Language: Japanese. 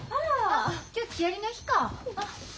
あっ今日木遣りの日か。